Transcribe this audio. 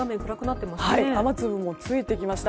雨粒もついてきました。